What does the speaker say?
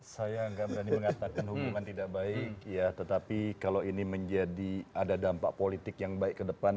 saya nggak berani mengatakan hubungan tidak baik ya tetapi kalau ini menjadi ada dampak politik yang baik ke depan